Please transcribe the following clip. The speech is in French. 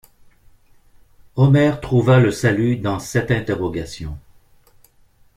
Omer trouva le salut dans cette interrogation.